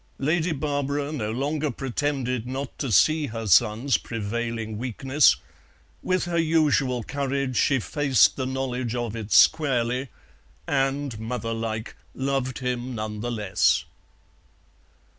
Lady Barbara no longer pretended not to see her son's prevailing weakness; with her usual courage she faced the knowledge of it squarely, and, mother like, loved him none the less.